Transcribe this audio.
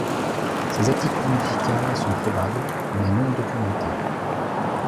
Ses aptitudes musicales sont probables, mais non documentées.